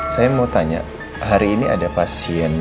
saya mau tanya hari ini ada pasien